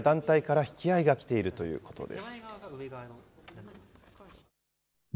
今、いくつかの企業や団体から引き合いが来ているということです。